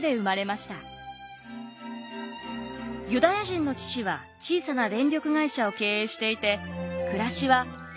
ユダヤ人の父は小さな電力会社を経営していて暮らしは比較的裕福でした。